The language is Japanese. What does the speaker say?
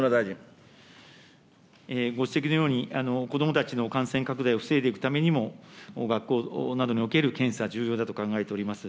ご指摘のように、子どもたちの感染拡大を防いでいくためにも、学校などにおける検査、重要だと考えております。